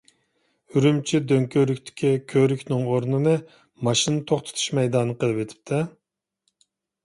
ئۈرۈمچى دۆڭكۆۋرۈكتىكى كۆۋرۈكنىڭ ئورنىنى ماشىنا توختىتىش مەيدانى قىلىۋېتىپتۇ-ھە.